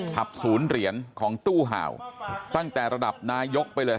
ผับศูนย์เหรียญของตู้ห่าวตั้งแต่ระดับนายกไปเลย